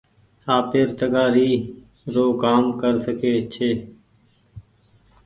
آپير تگآري رو ڪآم ڪر سکي ڇي۔